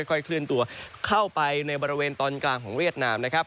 ค่อยเคลื่อนตัวเข้าไปในบริเวณตอนกลางของเวียดนามนะครับ